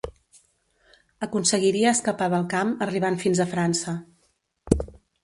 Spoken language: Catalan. Aconseguiria escapar del camp, arribant fins a França.